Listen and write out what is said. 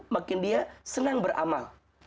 makin dia senang beramal